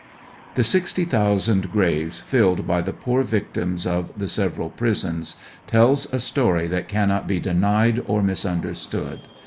The sixty thousand graves filled by the poor victims of the several prisons, tells a story that cannot be denied or misunderstood.